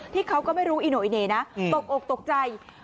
เขาก็ไม่รู้อีโนอิเน่นะตกอกตกใจ